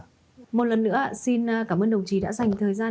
một lần nữa xin cảm ơn đồng chí đã dành thời gian